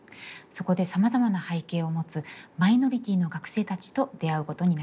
そこでさまざまな背景を持つマイノリティーの学生たちと出会うことになるんですね。